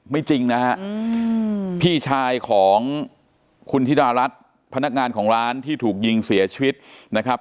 จริงนะฮะพี่ชายของคุณธิดารัฐพนักงานของร้านที่ถูกยิงเสียชีวิตนะครับ